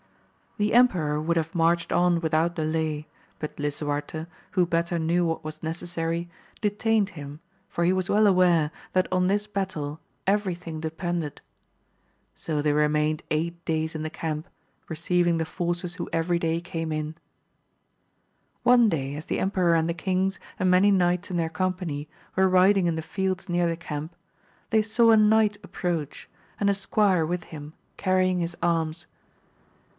The emperor would have marched on without delay, but Lisuarte, who better knew what was necessary, detained him, for he was well aware, that on this battle every thing depended. So they remained eight days in the camp receiving the forces who every day came in« 158 AMADIS OF GAUL. One day as the emperor and the kings, and many knights in their company, were riding in the fields near the camp, they saw a knight approach, and a squire with him carrying his arms.